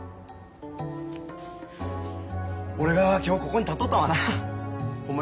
俺が今日ここに立っとったんはなホンマ